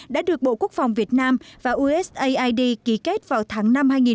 đã được bộ quốc phòng việt nam và usaid ký kết vào tháng năm hai nghìn một mươi tám